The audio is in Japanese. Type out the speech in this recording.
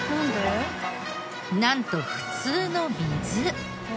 なんと普通の水！